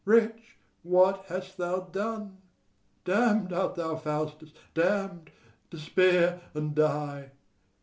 wretch, what hast thou done? Damn'd art thou, Faustus, damn'd; despair and die!